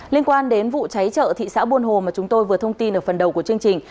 liên quan đến vụ cháy chợ thị xã buôn hồ mà chúng tôi vừa thông tin ở phần đầu của chương trình